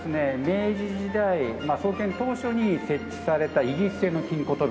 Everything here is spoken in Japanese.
明治時代創建当初に設置されたイギリス製の金庫扉。